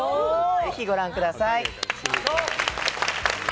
ぜひご覧ください。